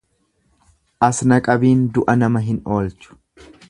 As naqabiin du'a nama hin oolchu.